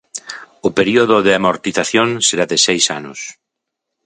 O período de amortización será de seis anos.